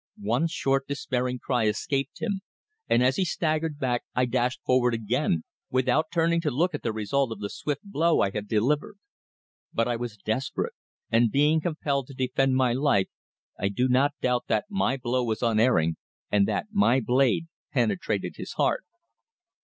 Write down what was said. One short, despairing cry escaped him, and as he staggered back I dashed forward again, without turning to look at the result of the swift blow I had delivered. But I was desperate, and being compelled to defend my life, I do not doubt that my blow was unerring, and that my blade penetrated his heart.